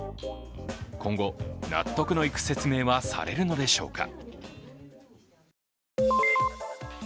今後、納得のいく説明はされるのでしょうか。